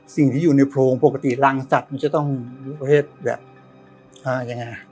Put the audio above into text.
สิ่งที่อยู่ในโพรงปกติรังสัตว์มันจะต้องประเภทแบบอ่ายังไง